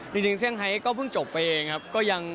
จริงเซียงไฮท์ก็เพิ่งจบไปเองครับ